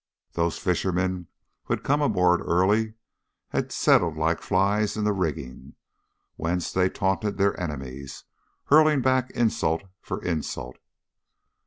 Those fishermen who had come aboard early had settled like flies in the rigging, whence they taunted their enemies, hurling back insult for insult.